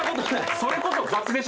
それこそ雑でしょ紹介。